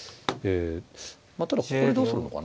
まあただここでどうするのかな？